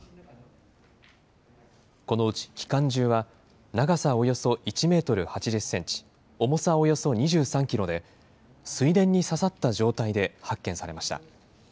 このうち機関銃は、長さおよそ１メートル８０センチ、重さおよそ２３キロで、水田に刺さった状態で発見されました。